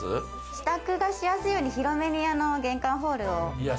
支度がしやすいように広めに玄関ホールを。